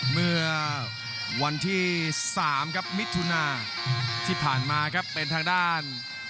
เมื่อวันที่๓ครับมิถุนาที่ผ่านมาครับเป็นทางด้าน